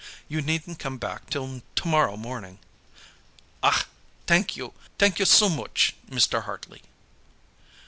You needn't come back till tomorrow morning." "Ach, t'ank you! T'ank you so mooch, Mr. Hartley."